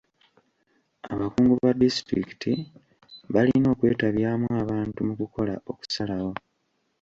Abakungu ba disitulikiti balina okwetabyamu abantu mu kukola okusalawo.